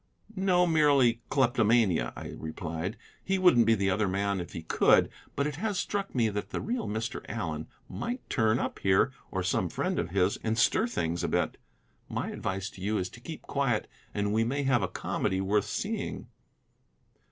"No, merely kleptomania," I replied; "he wouldn't be the other man if he could. But it has struck me that the real Mr. Allen might turn up here, or some friend of his, and stir things a bit. My advice to you is to keep quiet, and we may have a comedy worth seeing."